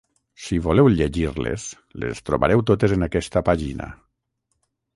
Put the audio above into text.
Si voleu llegir-les, les trobareu totes en aquesta pàgina.